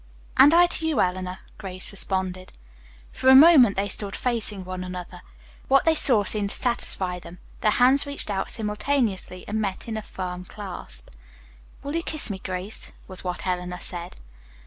"And I to you, Eleanor," Grace responded. For a moment they stood facing one another. What they saw seemed to satisfy them. Their hands reached out simultaneously and met in a firm clasp. "Will you kiss me, Grace?" was what Eleanor said.